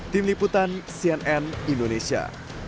tim liputan cnn indonesia